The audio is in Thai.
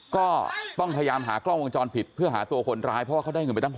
ก็ต้องพยายามหากล้องวงจรปิดเพื่อหาตัวคนร้ายเพราะว่าเขาได้เงินไปตั้ง๖๐